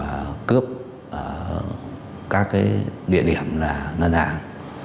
và cướp các địa điểm là ngân hàng